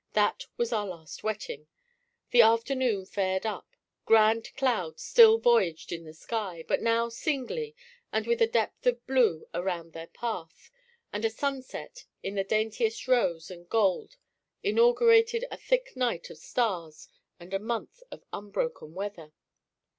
That was our last wetting. The afternoon faired up: grand clouds still voyaged in the sky, but now singly, and with a depth of blue around their path; and a sunset in the daintiest rose and gold inaugurated a thick night of stars and a month of unbroken weather.